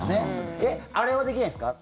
えっ、あれはできないですか？